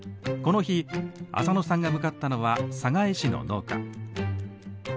この日浅野さんが向かったのは寒河江市の農家。